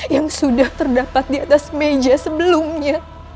yang sudah terdapat di atas meja sebelumnya